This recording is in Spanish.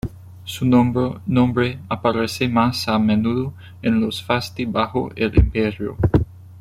Su nombre aparece más a menudo en los Fasti bajo el Imperio.